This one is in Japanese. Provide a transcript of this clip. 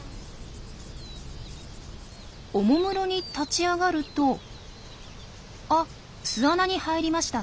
おもむろに立ち上がるとあ巣穴に入りました。